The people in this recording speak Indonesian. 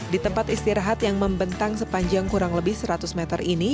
di tempat istirahat yang membentang sepanjang kurang lebih seratus meter ini